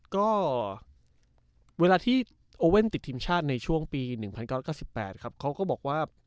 ก็เวลาที่โอเว่นติดทีมชาติในช่วงปี๑๙๙๘ครับเขาก็บอกว่า